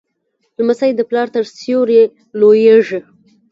لمسی د پلار تر سیوري لویېږي.